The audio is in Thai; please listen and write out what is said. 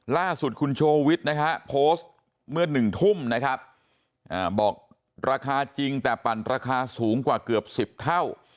ล่าสุดคุณโชวิทโพสต์เมื่อ๑ทุ่มบอกราคาจริงแต่ปันราคาสูงกว่าเกือบ๑๐เท่า